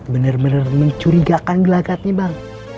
bener bener mencurigakan gelagatnya bang